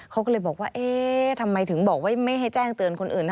เขาก็เลยบอกว่าเอ๊ะทำไมถึงบอกว่าไม่ให้แจ้งเตือนคนอื่น